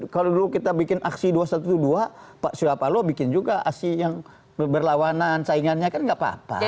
kalau dulu kita bikin aksi dua ratus dua belas pak surya paloh bikin juga aksi yang berlawanan saingannya kan nggak apa apa